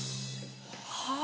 はあ！